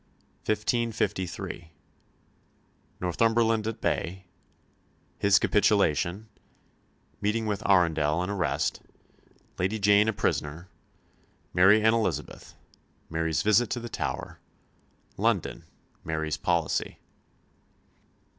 CHAPTER XIX 1553 Northumberland at bay His capitulation Meeting with Arundel, and arrest Lady Jane a prisoner Mary and Elizabeth Mary's visit to the Tower London Mary's policy.